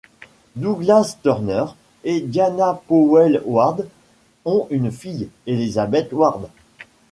Douglas Turner et Diana Powell Ward ont une fille, Elizabeth Ward.